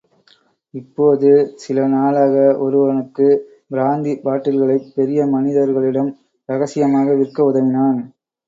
இப்போது சில நாளாக, ஒருவனுக்குப் பிராந்தி பாட்டில்களைப் பெரிய மனிதர்களிடம் ரகசியமாக விற்க உதவினான்.